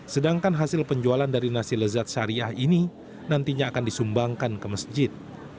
sedangkan hasil penjualan dari nasi lezat syariah ini nantinya akan disumbangkan ke masjid